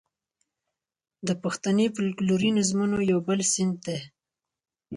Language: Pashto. د پښتني فوکلوري نظمونو یو بل صنف دی.